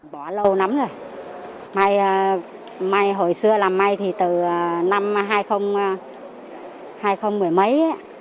bỏ lâu lắm rồi hồi xưa làm may thì từ năm hai mươi một mươi mấy